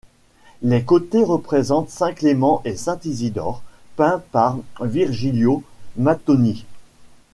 Les côtés représentent saint Clément et saint Isidore, peints par Virgilio Mattoni.